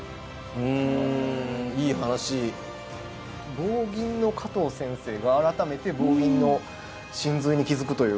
棒銀の加藤先生が改めて棒銀の神髄に気付くという。